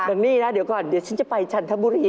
เดี๋ยวนี่นะเดี๋ยวก่อนเดี๋ยวฉันจะไปจันทบุรี